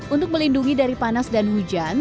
untuk melindungi dari panas dan hujan